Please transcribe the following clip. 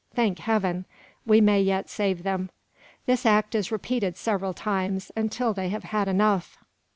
Thank Heaven! we may yet save them! This act is repeated several times, until they have had enough.